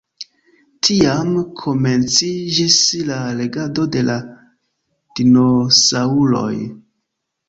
Tiam komenciĝis la regado de la dinosaŭroj.